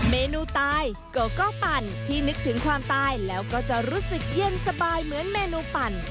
เมนูตายโกโก้ปั่นที่นึกถึงความตายแล้วก็จะรู้สึกเย็นสบายเหมือนเมนูปั่น